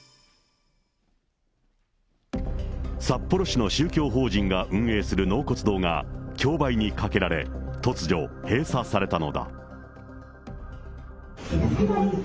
札幌市の宗教法人が運営する納骨堂が、競売にかけられ、突如、閉鎖されたのだ。